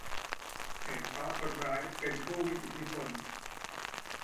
เหตุเพราะคนร้ายเป็นผู้มีอิทธิพล